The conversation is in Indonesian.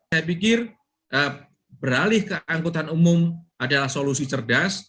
saya pikir beralih ke angkutan umum adalah solusi cerdas